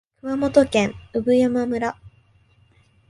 熊本県産山村